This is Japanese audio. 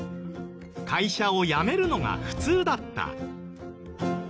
会社を辞めるのが普通だった。